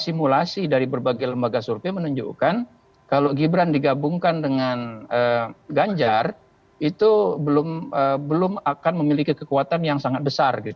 simulasi dari berbagai lembaga survei menunjukkan kalau gibran digabungkan dengan ganjar itu belum akan memiliki kekuatan yang sangat besar